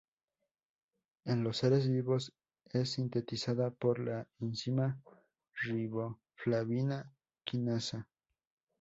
En los seres vivos es sintetizada por la enzima riboflavina quinasa.